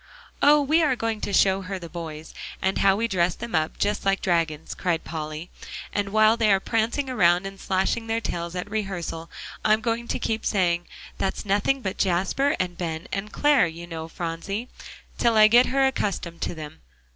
"Oh! we are going to show her the boys, and how we dress them up just like dragons," cried Polly, "and while they are prancing around and slashing their tails at rehearsal, I'm going to keep saying, 'That's nothing but Jasper and Ben and Clare, you know, Phronsie,' till I get her accustomed to them.